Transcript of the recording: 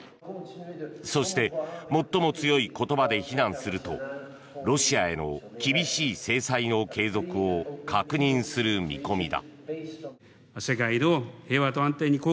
そして最も強い言葉で非難するとロシアへの厳しい制裁の継続を確認する見込みだ。